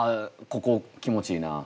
ここ気持ちいいな。